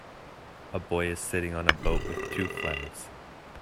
A boy is sitting on a boat with two flags.